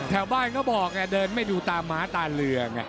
แถวบ้านเขาบอกเดินไม่ดูตามหมาตาเหลือง